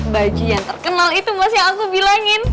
baju yang terkenal itu mas yang aku bilangin